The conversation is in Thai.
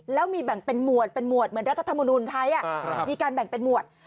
แล้วมีแบ่งเป็นหมวดเป็นหวดเหมือนรัฐธรรมนุนไทยมีการแบ่งเป็นหมวด